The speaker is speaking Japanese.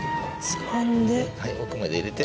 奥まで入れて。